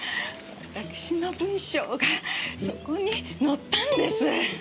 私の文章がそこに載ったんです！